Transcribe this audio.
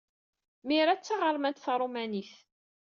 Maria d taɣermant taṛumanit.